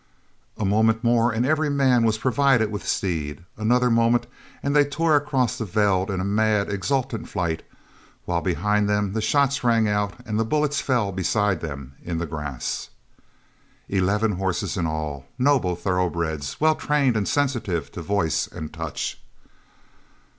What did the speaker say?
A moment more and every man was provided with a steed, another moment and they tore across the veld in mad, exultant flight, while behind them the shots rang out and the bullets fell beside them in the grass. Eleven horses in all! Noble thoroughbreds, well trained and sensitive to voice and touch.